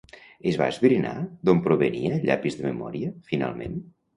Es va esbrinar d'on provenia el llapis de memòria, finalment?